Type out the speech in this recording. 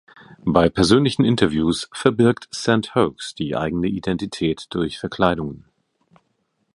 Bei persönlichen Interviews verbirgt Saint Hoax die eigene Identität durch Verkleidungen.